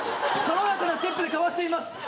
軽やかなステップでかわしています！